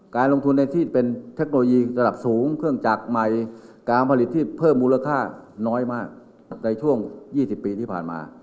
การลงทุนในที่เป็นเทคโนโลยีระดับสูงเครื่องจักรใหม่การผลิตที่เพิ่มมูลค่าน้อยมากในช่วง๒๐ปีที่ผ่านมา